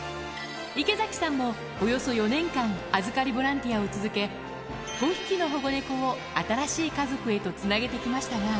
池崎さんもおよそ４年間、預かりボランティアを続け、５匹の保護猫を新しい家族へとつなげてきましたが。